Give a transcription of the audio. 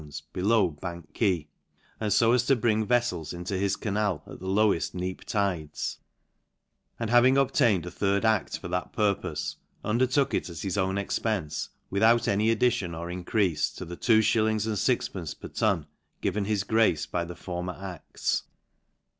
es*>. below Bank §)uay, and fo as to bring veflels into his canal at the loweft neap tides ; and having ob ~ tained a third act (or that purpofe > undertook it at his own expence, without any addition or increafe to the 2 s. 6d. per ton, given his grace by the for mer a els.